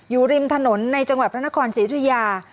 อยู่ริมถนนในจังหวัดพระนครศรีธุยา